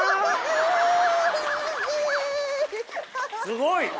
すごい！